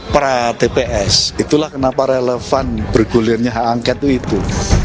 pra tps itulah kenapa relevan bergulirnya hak angket itu